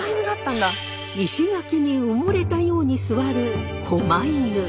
石垣に埋もれたように座る狛犬。